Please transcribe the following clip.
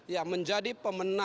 ya menjadi pemenang ya